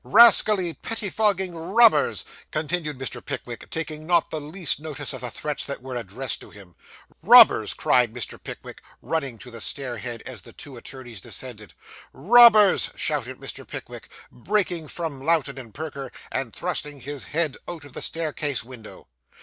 ' Rascally, pettifogging robbers!' continued Mr. Pickwick, taking not the least notice of the threats that were addressed to him. 'Robbers!' cried Mr. Pickwick, running to the stair head, as the two attorneys descended. 'Robbers!' shouted Mr. Pickwick, breaking from Lowten and Perker, and thrusting his head out of the staircase window.